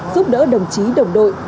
giúp đỡ đồng chí đồng đội